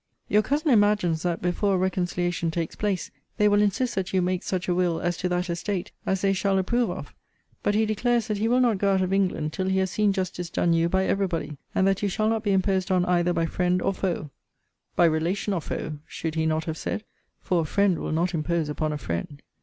Your cousin imagines that, before a reconciliation takes place, they will insist that you make such a will, as to that estate, as they shall approve of: but he declares that he will not go out of England till he has seen justice done you by every body; and that you shall not be imposed on either by friend or foe By relation or foe, should he not have said? for a friend will not impose upon a friend.